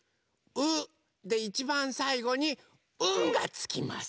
「う」でいちばんさいごに「ん」がつきます。